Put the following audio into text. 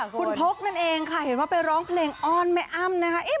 คุณพกนั่นเองค่ะเห็นว่าไปร้องเพลงอ้อนแม่อ้ำนะคะ